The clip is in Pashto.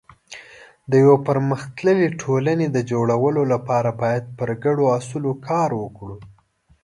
د یو پرمختللي ټولنې د جوړولو لپاره باید پر ګډو اصولو کار وکړو.